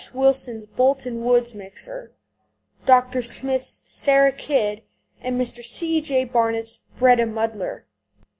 Wilson's Bolton Woods Mixer, Dr. Smyth's Sarah Kidd, and Mr. C. J. Barnett's Breda Muddler.